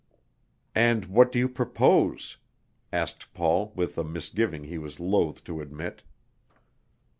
"And what do you propose?" asked Paul with a misgiving he was loth to admit.